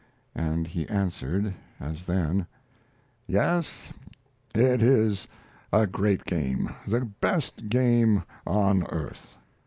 And he answered, as then: "Yes, it is a great game the best game on earth."